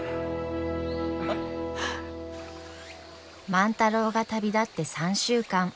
万太郎が旅立って３週間。